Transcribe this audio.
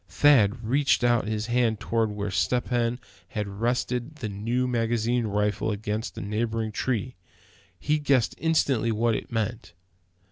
Thad reached out his hand toward where Step Hen had rested his new magazine rifle against a neighboring tree. He guessed instantly what it meant.